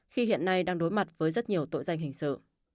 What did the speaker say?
khi hiện nay đang đối mặt với rất nhiều tội danh hình sự